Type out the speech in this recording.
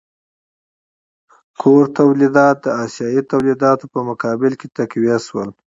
کور تولیدات د اسیايي تولیداتو په مقابل کې تقویه شول.